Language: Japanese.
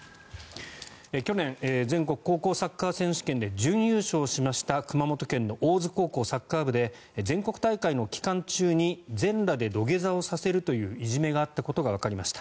去年、全国高校サッカー選手権で準優勝しました熊本県の大津高校サッカー部で全国大会の期間中に全裸で土下座をさせるといういじめがあったことがわかりました。